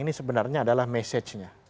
ini sebenarnya adalah message nya